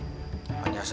jumlahnya itu saja